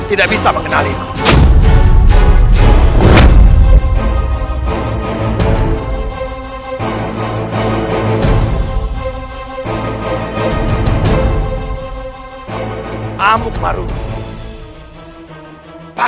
ada apa ini prabu amukmarugum